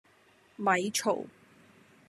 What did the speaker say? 咪嘈